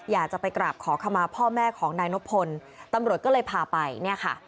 อยากจะไปกราบขอขมาพ่อแม่ของนายนบพลตำรวจก็เลยพาไปเนี่ยค่ะ